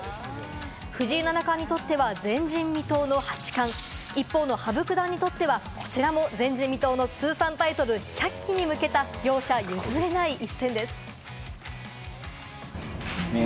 藤井七冠にとっては前人未到の八冠、一方の羽生九段にとってはこちらも前人未到の通算タイトル１００期に向けた両者譲れない一戦です。